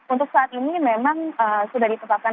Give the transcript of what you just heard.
untuk saat ini memang sudah ditetapkan